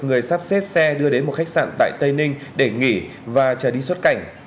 người sắp xếp xe đưa đến một khách sạn tại tây ninh để nghỉ và trở đi xuất cảnh